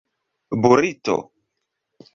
burito